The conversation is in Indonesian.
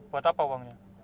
buat apa uangnya